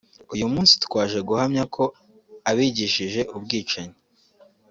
uyu munsi twaje guhamya ko abigishije ubwicanyi